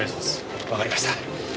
わかりました。